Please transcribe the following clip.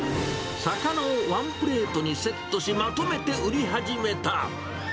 魚をワンプレートにセットし、まとめて売り始めた。